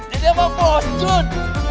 jadi apa bos jun